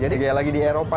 jadi kayak lagi di eropa